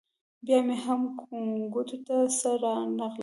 بیا مې هم ګوتو ته څه رانه غلل.